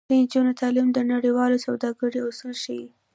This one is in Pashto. د نجونو تعلیم د نړیوال سوداګرۍ اصول ښيي.